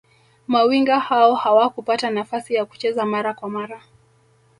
mawinga hao hawakupata nafasi ya kucheza mara kwa mara